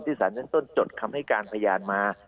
ที่ศาลเต็มต้นจดคำให้การพยายามมา